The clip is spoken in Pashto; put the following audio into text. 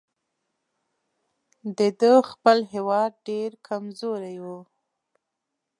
د ده خپل هیواد ډېر کمزوری وو.